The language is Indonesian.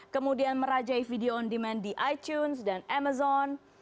kemudian merajai video on demand di icunes dan amazon